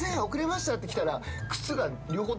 って来たら。